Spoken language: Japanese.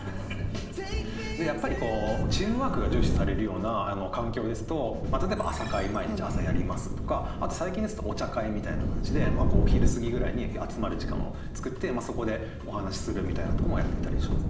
やっぱりこうチームワークが重視されるような環境ですと例えば朝会毎日朝やりますとかあと最近ですとお茶会みたいな感じでお昼過ぎぐらいに集まる時間を作ってそこでお話しするみたいなとこもやっていたりします。